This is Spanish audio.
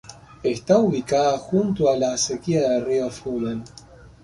Está ubicada junto a a la acequia del río Flumen.